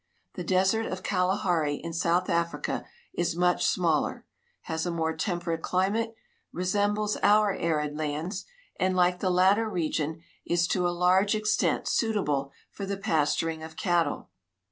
The desert of Kalahari, in South Africa, is much smaller, has a more temi^erate climate, resembles our arid lands, and, like the latter region, is to a large extent suitable for the pasturing of cattle.